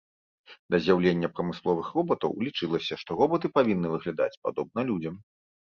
Да з'яўлення прамысловых робатаў лічылася, што робаты павінны выглядаць падобна людзям.